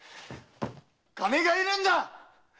金がいるんだっ！